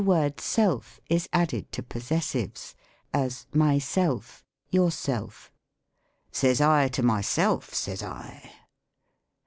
The word self is added to possessives ; as, myself, yourself, " Says I to myself, says I."